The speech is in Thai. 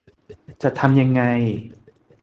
จะทำยังไง